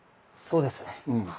そうですね。